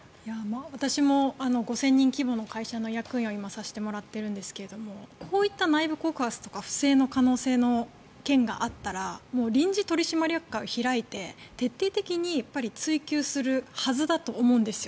私も５０００人規模の会社の役員を今、させてもらってるんですがこういった内部告発とか不正の可能性の件があったら臨時取締役会を開いて徹底的に追及するはずだと思うんですよ。